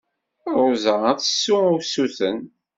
Ṛuza ad d-tessu usuten.